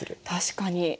確かに。